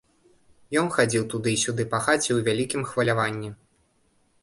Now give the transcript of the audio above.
Ён хадзіў туды і сюды па хаце ў вялікім хваляванні.